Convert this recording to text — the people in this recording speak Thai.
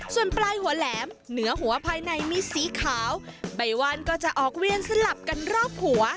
ส่วนปลายหัวแหลมเหนือหัวภายในมีสีขาวใบวันก็จะออกเวียนสลับกันรอบหัว